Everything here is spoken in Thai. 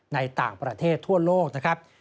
ในต่างประเทศทั่วโลกนะครับ